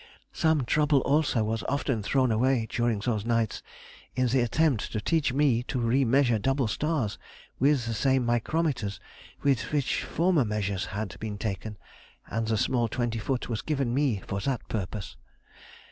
Some trouble also was often thrown away during those nights in the attempt to teach me to re measure double stars with the same micrometers with which former measures had been taken, and the small twenty foot was given me for that purpose....